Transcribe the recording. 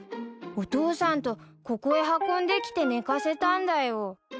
お父さんとここへ運んできて寝かせたんだよ。